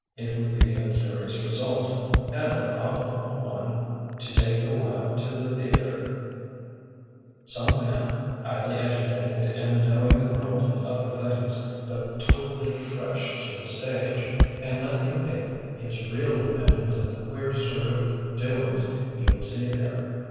It would be a curious result — and a profitable one — to take a while to the theatre some man, highly educated and knowing the world in other things — but totally fresh to the stage — and let him give his real opinions of the queer sort of doings he would see there.